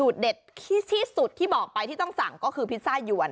เด็ดที่สุดที่บอกไปที่ต้องสั่งก็คือพิซซ่ายวน